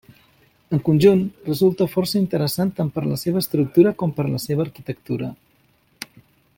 En conjunt, resulta força interessant tant per la seva estructura com per la seva arquitectura.